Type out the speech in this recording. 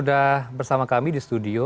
sudah bersama kami di studio